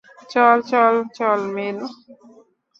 চল, চল, চল, মেল!